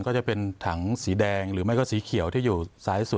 ก็จะเป็นถังสีแดงหรือไม่ก็สีเขียวที่อยู่ซ้ายสุด